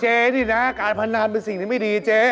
นี่นะการพนันเป็นสิ่งที่ไม่ดีเจ๊